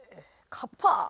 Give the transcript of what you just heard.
カッパ！